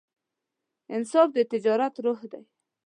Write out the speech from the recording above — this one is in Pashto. انصاف د تجارت روح دی.